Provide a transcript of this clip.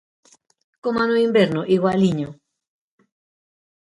Coma no inverno, igualiño.